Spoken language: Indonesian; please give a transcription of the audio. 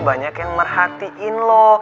banyak yang merhatiin lo